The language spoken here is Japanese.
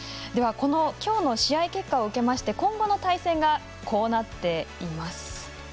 きょうの試合結果を受けまして今後の対戦がこうなっています。